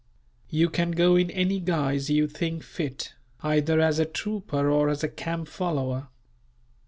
"You can go in any guise you think fit, either as a trooper or as a camp follower.